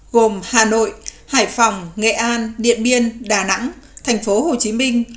gồm hà nội hải phòng nghệ an điện biên đà nẵng thành phố hồ chí minh